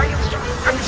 ada tuyul nih mas